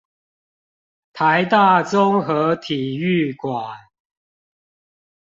台大綜合體育館